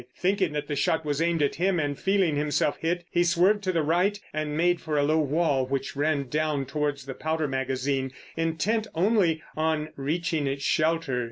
Thinking that the shot was aimed at him, and feeling himself hit, he swerved to the right and made for a low wall which ran down towards the powder magazine, intent only on reaching its shelter.